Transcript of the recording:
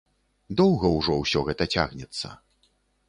Доўга ўжо ўсё гэта цягнецца.